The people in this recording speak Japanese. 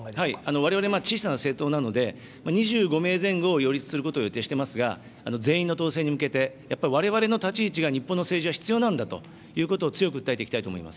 われわれ小さな政党なので、２５名前後を擁立することを予定しておりますが、全員の当選に向けて、やっぱりわれわれの立ち位置が、日本の政治には必要なんだということを強く訴えていきたい